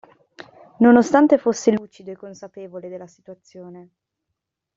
Nonostante fosse lucido e consapevole della situazione.